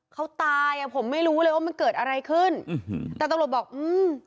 เขาตายอ่ะผมไม่รู้เลยว่ามันเกิดอะไรขึ้นอืมแต่ตำรวจบอกอืม